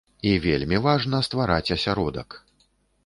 І вельмі важна ствараць асяродак.